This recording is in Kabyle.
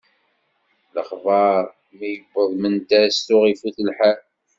Lexbar mi yewweḍ Mendas tuɣ ifut lḥal.